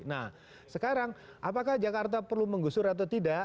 nah sekarang apakah jakarta perlu menggusur atau tidak